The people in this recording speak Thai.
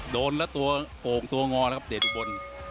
โดนแล้วตัวโอ่งตัวงอแล้วครับเดชอุบล